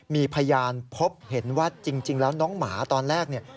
มีพยานพบเห็นว่าจริงแล้วน้องหมาตอนแรกเนี่ย